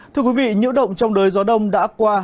thưa quý vị nhiễu động trong đời gió đông đã qua